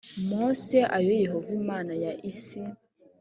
mose ayo yehova imana ya isi